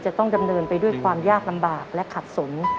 จะต้องดำเนินไปด้วยความยากลำบากและขัดสน